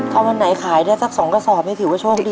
ถ้าวันไหนขายได้สัก๒กระสอบนี่ถือว่าโชคดี